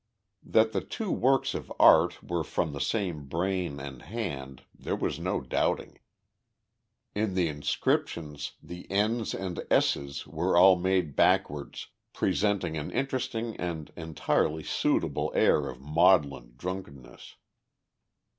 That the two works of art were from the same brain and hand there was no doubting. In the inscriptions the n's and s's were all made backwards, presenting an interesting and entirely suitable air of maudlin drunkenness.